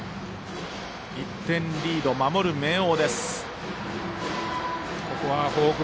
１点リード、守る明桜。